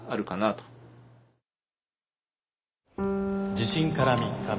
「地震から３日目